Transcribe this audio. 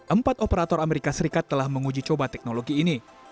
empat operator amerika serikat telah menguji coba teknologi ini